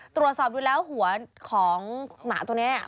ตรวจสอบดูแล้วหัวของหมาตัวนี้